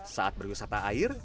saat berwisata air